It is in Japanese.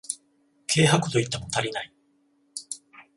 軽薄と言っても足りない